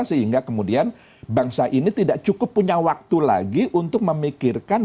sehingga kemudian bangsa ini tidak cukup punya waktu lagi untuk memikirkan